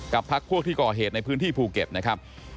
พักพวกที่ก่อเหตุในพื้นที่ภูเก็ตนะครับ